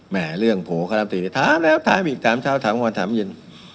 แม่เรื่องโผข้ารำตีนถามแล้วถามอีกถามเช้าถามวันถามเย็น